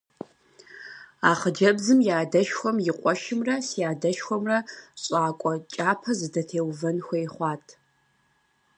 А хъыджэбзым и адэшхуэм и къуэшымрэ си адэшхуэмрэ щӀакӀуэ кӀапэ зэдытеувэн хуей хъуат.